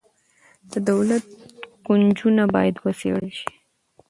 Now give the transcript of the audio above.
د دولت کونجونه باید وڅیړل شي.